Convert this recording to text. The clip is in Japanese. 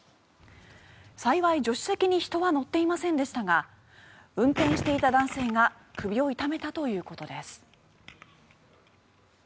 幸い、助手席に人は乗っていませんでしたが運転していた男性が首を痛めたということです。